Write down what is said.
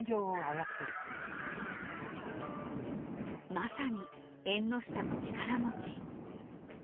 まさに縁の下の力持ち。